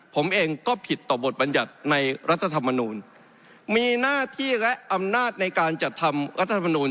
ผมเองก็ผิดต่อบทบรรยัติในรัฐธรรมนูลมีหน้าที่และอำนาจในการจัดทำรัฐธรรมนูล